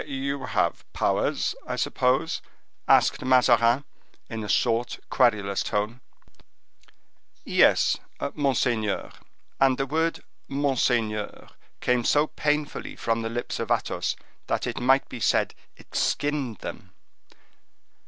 "You have powers, I suppose?" asked Mazarin, in a short, querulous tone. "Yes, monseigneur." And the word "monseigneur" came so painfully from the lips of Athos that it might be said it skinned them.